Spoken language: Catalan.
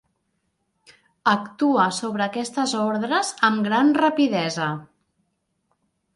Actua sobre aquestes ordres amb gran rapidesa.